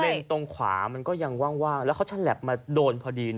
ตรงขวามันก็ยังว่างแล้วเขาฉลับมาโดนพอดี